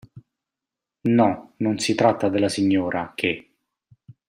No, non si tratta della signora, che.